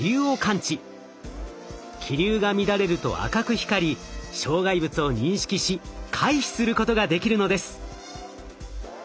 気流が乱れると赤く光り障害物を認識し回避することができるのです。